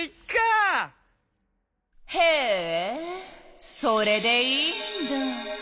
へえそれでいいんだ。